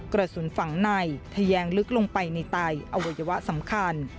กระสุนฝังในทะแยงลึกลงไปในไตอวัยวะสำคัญ